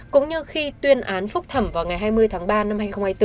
cũng như khi tuyên án phúc thẩm vào ngày hai mươi tháng ba năm hai nghìn hai mươi bốn